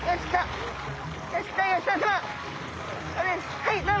はいどうも！